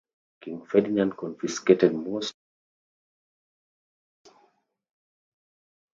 King Ferdinand confiscated most of his lands.